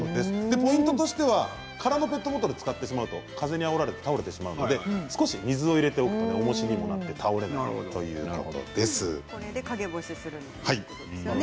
ポイントとしては空のペットボトルを使ってしまうと風にあおられて倒れてしまいますので少し水を入れておくとおもしになってこれで陰干しということですね。